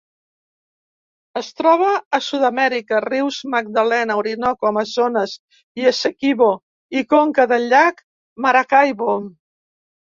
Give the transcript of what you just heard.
Es troba a Sud-amèrica: rius Magdalena, Orinoco, Amazones i Essequibo, i conca del llac Maracaibo.